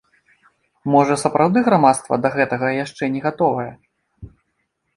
Можа сапраўды грамадства да гэтага яшчэ не гатовае?